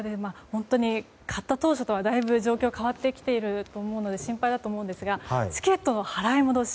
買った当初とはだいぶ状況が変わってきていると思うので心配だと思うんですがチケットの払い戻し。